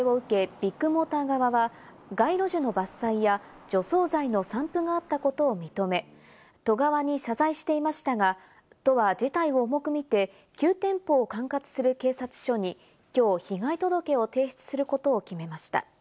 これを受け、ビッグモーター側は街路樹の伐採や除草剤の散布があったことを認め、都側に謝罪していましたが、都は事態を重く見て、９店舗を管轄する警察署にきょう被害届を提出することを決めました。